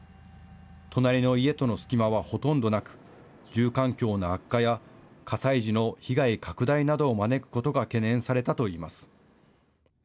隣の家との隙間はほとんどなく住環境の悪化や火災時の被害拡大などを招くことが懸念されたといいます。